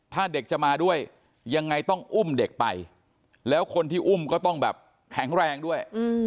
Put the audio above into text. ถ้าเด็กจะมาด้วยยังไงต้องอุ้มเด็กไปแล้วคนที่อุ้มก็ต้องแบบแข็งแรงด้วย